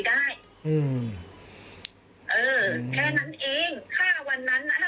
ได้อืมเออแค่นั้นเองถ้าวันนั้นน่ะ